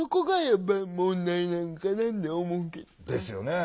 ですよね。